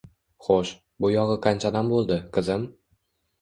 Xo‘sh, bu yog‘i qanchadan bo‘ldi, qizim